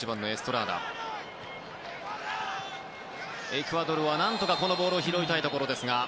エクアドルは何とかボールを拾いたいところ。